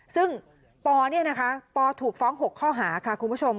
ซึ่งปถูกฟ้อง๖ข้อหาค่ะคุณผู้ชม